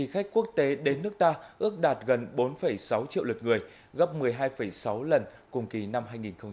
khách quốc tế đến nước ta ước đạt gần bốn sáu triệu lượt người gấp một mươi hai sáu lần cùng kỳ năm hai nghìn một mươi tám